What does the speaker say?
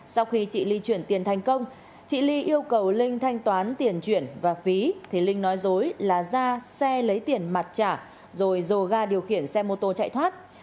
sau khi chị ly chuyển tiền thành công chị ly yêu cầu linh thanh toán tiền chuyển và phí thì linh nói dối là ra xe lấy tiền mặt trả rồi dồ ga điều khiển xe mô tô chạy thoát